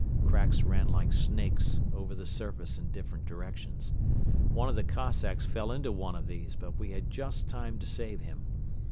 Cracks ran like snakes over the surface in different directions. One of the Cossacks fell into one of these but we had just time to save him.